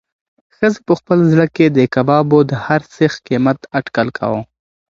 ښځې په خپل زړه کې د کبابو د هر سیخ قیمت اټکل کاوه.